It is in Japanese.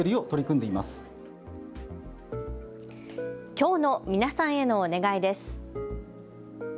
きょうの皆さんへのお願いです。